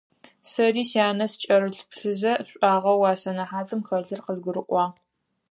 Сэри сянэ сыкӀырыплъызэ, шӀуагъэу а сэнэхьатым хэлъыр къызгурыӀуагъ.